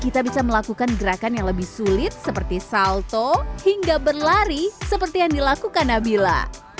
kita bisa melakukan gerakan yang lebih sulit seperti salto hingga berlari seperti yang dilakukan nabila